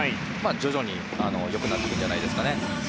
徐々に良くなっていくんじゃないですかね。